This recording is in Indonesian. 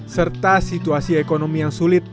serta situasi ekonomi yang sulit